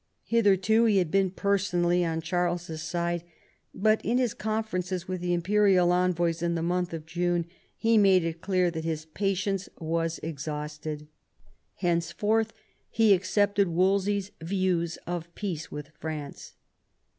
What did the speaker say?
Hitherto he had been personally on Charles's side, but in his conferences with the imperial envoys in the month of June he made it clear that his patience was exhausted. Henceforth he accepted Wolsey's views of peace with France.